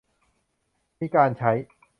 มีการใช้